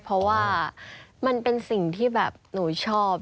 เพราะว่ามันเป็นสิ่งที่แบบหนูชอบ